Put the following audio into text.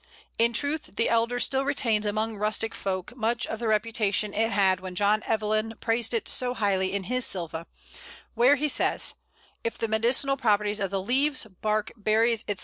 In truth, the Elder still retains among rustic folk much of the reputation it had when John Evelyn praised it so highly in his "Sylva," where he says, "If the medicinal properties of the leaves, bark, berries, etc.